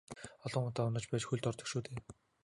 Олон удаа унаж байж хөлд ордог шүү дээ.